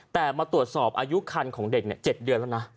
แต่มาตรวจสอบอายุคันของเด็ก๗เดือนแล้วนะ